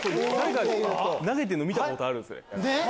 投げてるの見たことあるんすよね。